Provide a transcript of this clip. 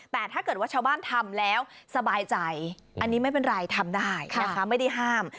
แต่ถ้าเกิดว่าชาวบ้านทำแล้วสบายใจอันนี้ไม่เป็นไรทำได้นะคะไม่ได้ห้าม